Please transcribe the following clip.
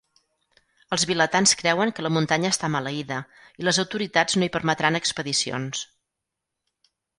Els vilatans creuen que la muntanya està maleïda, i les autoritats no hi permetran expedicions.